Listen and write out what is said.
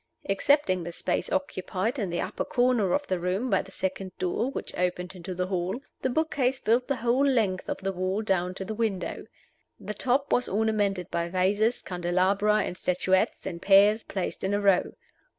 Excepting the space occupied in the upper corner of the room by the second door, which opened into the hall, the book case filled the whole length of the wall down to the window. The top was ornamented by vases, candelabra, and statuettes, in pairs, placed in a row.